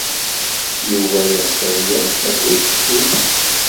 Yuba yeɣs ad yeḍḍes deg teftist.